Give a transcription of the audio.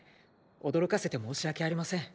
驚かせて申し訳ありません。